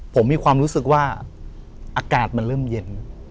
ผมมีความรู้สึกว่าอากาศมันเริ่มเย็น